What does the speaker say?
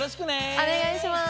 おねがいします。